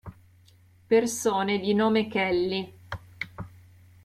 Persone di nome Kelly